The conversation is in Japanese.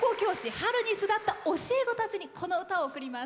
春に巣立った教え子たちにこの歌を贈ります。